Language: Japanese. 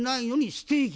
ステーキ？